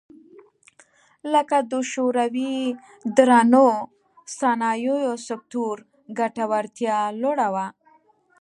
لکه د شوروي درنو صنایعو سکتور ګټورتیا لوړه وه